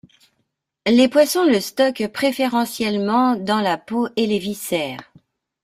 Les poissons le stockent préférentiellement dans la peau et les viscères.